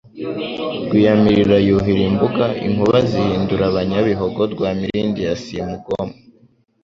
Rwiyamirira yuhira imbugaInkuba zihindura abanyabihogo Rwa Mirindi ya Simugomwa